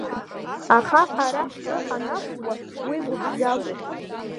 Аха ҳара ҳтәы ҳанақәӡуа уи гәыԥжәагоуп!